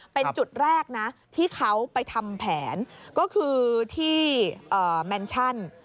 เป็นจุดแรกนะที่เขาไปทำแผนก็คือที่แมนชั่น